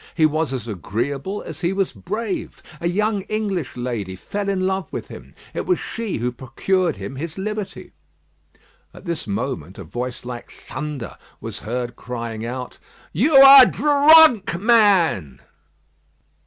He was as agreeable as he was brave. A young English lady fell in love with him. It was she who procured him his liberty." At this moment a voice like thunder was heard crying out: "You are drunk, man!"